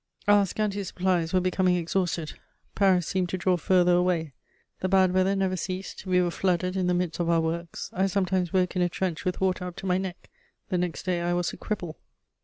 Our scanty supplies were becoming exhausted; Paris seemed to draw farther away. The bad weather never ceased; we were flooded in the midst of our works; I sometimes woke in a trench with water up to my neck: the next day, I was a cripple.